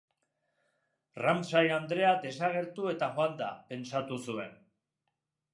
Ramsay andrea desagertu eta joan da, pentsatu zuen.